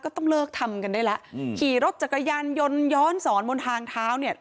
ต้องเลิกทำกันได้แล้วอืมขี่รถจักรยานยนต์ย้อนสอนบนทางเท้าเนี่ย